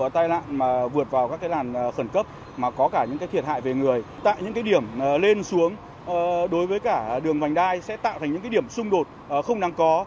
tại những điểm lên xuống đối với cả đường vành đai sẽ tạo thành những điểm xung đột không năng có